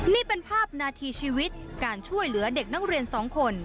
นี่เป็นภาพนาทีชีวิตการช่วยเหลือเด็กนักเรียนสองคน